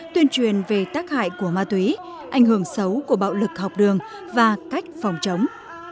tuyên truyền về tác hại của ma túy ảnh hưởng xấu của bạo lực học đường và cách phòng chống